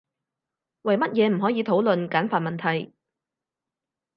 為乜嘢唔可以討論簡繁問題？